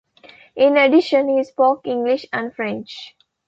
In addition, he spoke English and French.